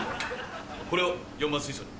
これを４番水槽に。